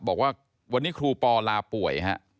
บอกว่าวันนี้ครูปอลาป่วยฮะ